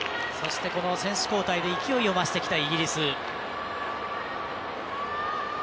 選手交代で勢いを増してきたイギリス。